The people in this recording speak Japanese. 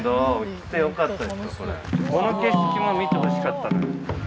この景色も見てほしかったのよ。